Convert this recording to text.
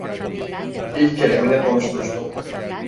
Bir kere mi ne konuşmuştuk…